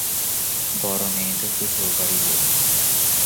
বড়ো মেয়ে তো শ্বশুরবাড়ি গেছে।